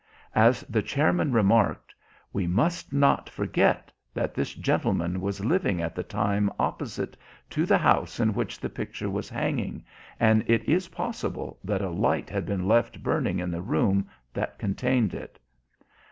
As the chairman remarked: "We must not forget that this gentleman was living at the time opposite to the house in which the picture was hanging, and it is possible that a light had been left burning in the room that contained it.